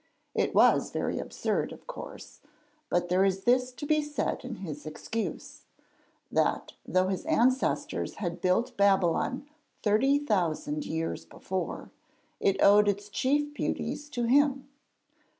It was very absurd, of course, but there is this to be said in his excuse, that though his ancestors had built Babylon thirty thousand years before, it owed its chief beauties to him.